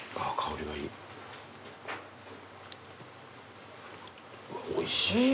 うんおいしい。